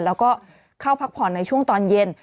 แล้วก็เข้าพักผ่อนในช่วงตอนเย็น